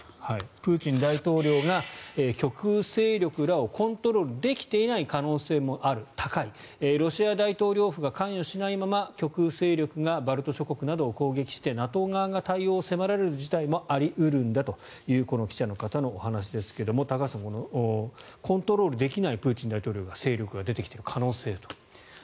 プーチン大統領が極右勢力らをコントロールできていない可能性は高いロシア大統領府が関与しないまま極右勢力がバルト諸国などを攻撃してＮＡＴＯ側が対応を迫られる事態もあり得るんだというこの記者の方のお話ですが高橋さん、コントロールできないプーチン大統領の勢力が出てきている可能性と。